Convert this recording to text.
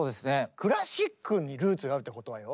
クラシックにルーツがあるってことはよ